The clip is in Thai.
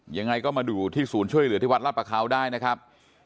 ยังไงก็มาดูที่ศูนย์ช่วยเหลือที่วัดราชประเขาได้นะครับ